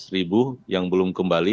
empat ratus ribu yang belum kembali